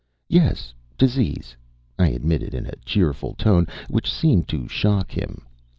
"Yes; disease," I admitted in a cheerful tone which seemed to shock him.